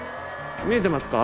見えてますか？